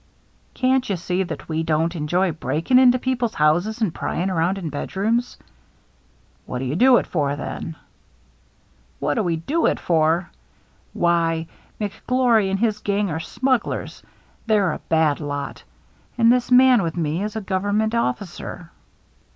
" Can't you see that we don't enjoy break ing into people's houses and prying around in bedrooms ?"" What do you do it for then ?"" What do we do it for ! Why, McGlory 332 THE MERRT ANNE and his gang are smugglers — they're a bad lot. And this man with me is a government officer."